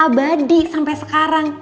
abadi sampai sekarang